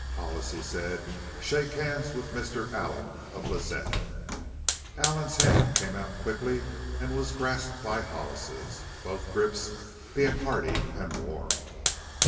"Hollis," he said, "shake hands with Mr. Allen, of Lazette." Allen's hand came out quickly and was grasped by Hollis's, both grips being hearty and warm.